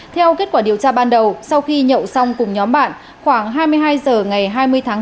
theo kết quả điều tra ban đầu sau khi nhậu xong cùng nhóm bạn khoảng hai mươi hai h ngày hai mươi tháng bốn